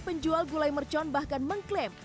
penjual gulai mercon bahkan mengklaim